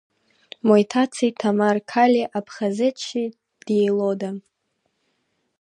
Моитаце, Ҭамар қали Аԥхазеҭшьи диелода!